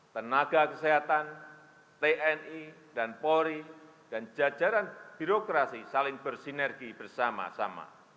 tenaga kesehatan tni dan polri dan jajaran birokrasi saling bersinergi bersama sama